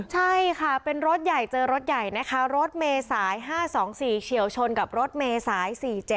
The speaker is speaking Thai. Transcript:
ใช่ค่ะเป็นรถใหญ่เจอรถใหญ่นะคะรถเมษาย๕๒๔เฉียวชนกับรถเมษาย๔๗